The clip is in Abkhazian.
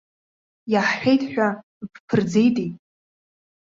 Иаҳҳәеит ҳәа, бԥырӡеитеи!